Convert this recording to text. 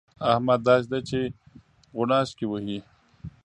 احمد داسې دی چې غوڼاشکې وهي.